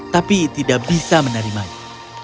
tapi tidak bisa menerimanya